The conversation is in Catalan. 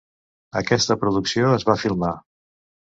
Aquesta producció es va filmar.